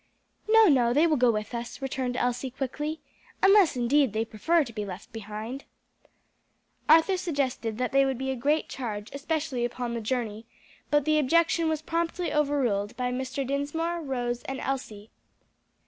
"No, no, they will go with us," returned Elsie quickly, "unless indeed they prefer to be left behind." Arthur suggested that they would be a great charge, especially upon the journey, but the objection was promptly overruled by Mr. Dinsmore, Rose and Elsie.